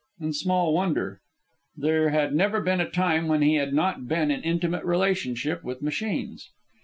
And small wonder. There had never been a time when he had not been in intimate relationship with machines.